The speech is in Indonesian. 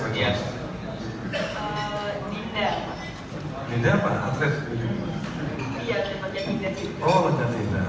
dinda dinda apa atlet iya dinda oh dinda apa rencana untuk asian gif ini apa yang akan kalian berikan untuk negara